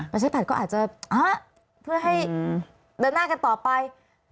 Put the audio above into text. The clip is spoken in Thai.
ประชาธิบัตย์ก็อาจจะเพื่อให้เดินหน้ากันต่อไป